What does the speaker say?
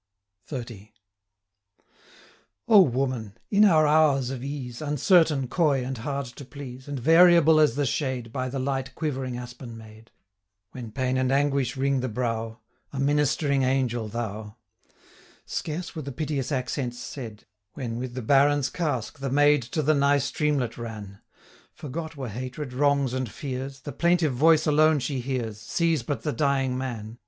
XXX. O, Woman! in our hours of ease, Uncertain, coy, and hard to please, And variable as the shade By the light quivering aspen made; 905 When pain and anguish wring the brow, A ministering angel thou! Scarce were the piteous accents said, When, with the Baron's casque, the maid To the nigh streamlet ran: 910 Forgot were hatred, wrongs, and fears; The plaintive voice alone she hears, Sees but the dying man.